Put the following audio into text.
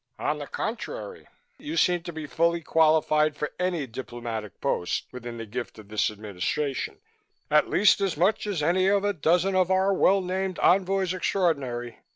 "On the contrary, you seem to be fully qualified for any diplomatic post within the gift of this Administration, at least as much as any of a dozen of our well named envoys extraordinary.